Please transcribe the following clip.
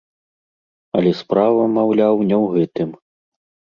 Але справа, маўляў, не ў гэтым.